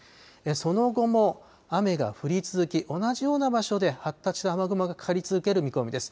その後も雨が降り続き同じような場所で発達した雨雲がかかり続ける見込みです。